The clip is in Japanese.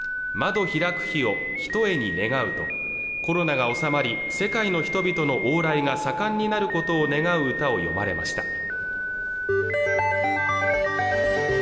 窓開く日を偏に願ふ」とコロナが収まり世界の人々の往来が盛んになることを願う歌を詠まれました